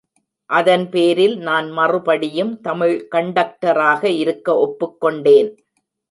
அதன்பேரில் நான் மறுபடியும் தமிழ் கண்டக்டராக இருக்க ஒப்புக்கொண்டேன்.